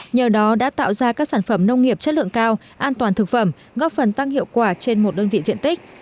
nhờ đó đã tạo ra các sản phẩm nông nghiệp chất lượng cao an toàn thực phẩm góp phần tăng hiệu quả trên một đơn vị diện tích